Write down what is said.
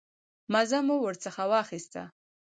مزه مو ورڅخه واخیسته.